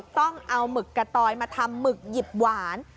ต้องเอาหมึกกะตอยมาทำหมึกหยิบหวาน